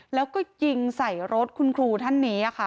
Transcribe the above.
แล้วก็ยิงใส่รถคุณครูท่านนี้ค่ะ